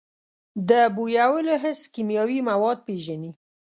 د بویولو حس کیمیاوي مواد پېژني.